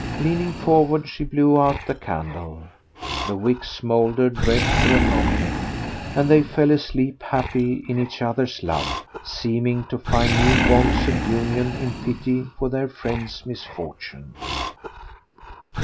Leaning forward she blew out the candle. The wick smouldered red for a moment, and they fell asleep happy in each other's love, seeming to find new bonds of union in pity for their friend's misfortune.